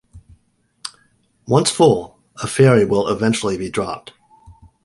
Once full, a fairy will eventually be dropped.